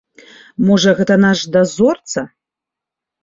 Можа, гэта наш дазорца?